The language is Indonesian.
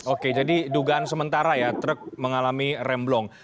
oke jadi dugaan sementara ya truk mengalami remblong